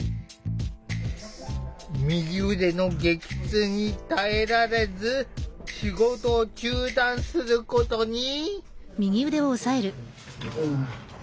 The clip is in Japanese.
右腕の激痛に耐えられず仕事を中断することに。